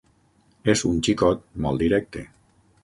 És un xicot molt directe.